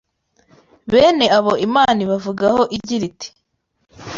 Bene abo Imana ibavugaho igira iti